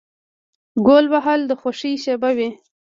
ګول وهل د خوښۍ شیبه وي.